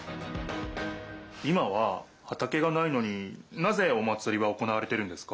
今ははたけがないのになぜお祭りは行われてるんですか？